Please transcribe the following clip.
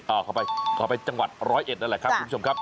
เข้าไปก็ไปจังหวัดร้อยเอ็ดนั่นแหละครับคุณผู้ชมครับ